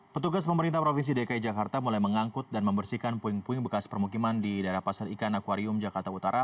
petugas pemerintah provinsi dki jakarta mulai mengangkut dan membersihkan puing puing bekas permukiman di daerah pasar ikan akwarium jakarta utara